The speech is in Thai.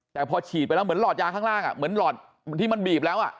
แต่พอฉีดไปแล้วเหมือนหลอดยาข้างล่างเหมือนหลอดที่มันบีบแล้ว